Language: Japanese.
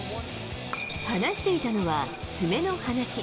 話していたのは、爪の話。